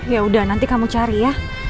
ya udah nanti kamu cari ya